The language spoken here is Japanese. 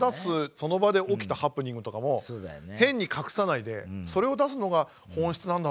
その場で起きたハプニングとかも変に隠さないでそれを出すのが本質なんだなって。